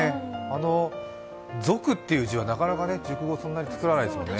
賊っていう字は、なかなか熟語作らないですもんね。